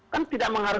kan tidak mengerti